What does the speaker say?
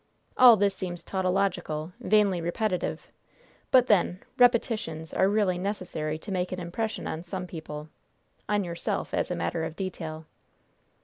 All this seems tautological, vainly repetitive; but, then, repetitions are really necessary to make an impression on some people on yourself, as a matter of detail."